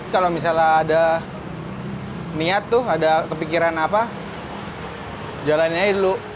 kalau misalnya ada niat tuh ada kepikiran apa jalannya dulu